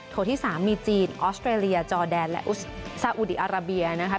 ที่๓มีจีนออสเตรเลียจอแดนและซาอุดีอาราเบียนะคะ